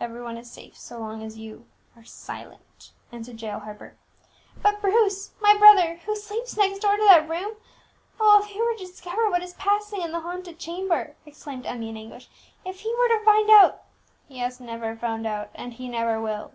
"Every one is safe so long as you are silent," answered Jael Harper. "But Bruce my brother who sleeps next door to that room, oh, if he were to discover what is passing in the haunted chamber!" exclaimed Emmie in anguish. "If he were to find out " "He has never found us out, and he never will!"